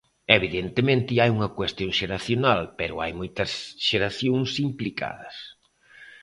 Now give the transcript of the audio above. Evidentemente, hai unha cuestión xeracional, pero hai moitas xeracións implicadas.